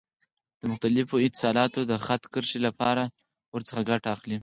د مختلفو اتصالاتو د خط کشۍ لپاره ورڅخه ګټه اخلي.